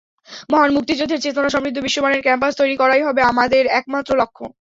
মহান মুক্তিযুদ্ধের চেতনা সমৃদ্ধ বিশ্বমানের ক্যাম্পাস তৈরি করাই হবে আমার একমাত্র লক্ষ্যে।